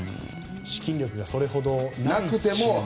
資金力がそれほどなくても。